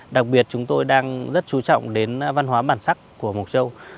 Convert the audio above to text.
đặc biệt chúng tôi đang rất chú trọng đến văn hóa bản sắc của mộc châu